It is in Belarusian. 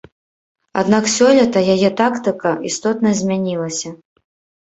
Аднак сёлета яе тактыка істотна змянілася.